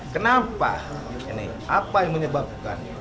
kenapa ini apa yang menyebabkan